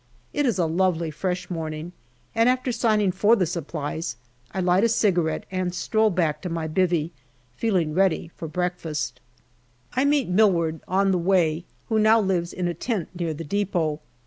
It is a lovely fresh morning, and after signing for the supplies I light a cigarette and stroll back to my " bivvy " feeling ready for breakfast. I meet Milward on the way, who now lives in a tent near the depot.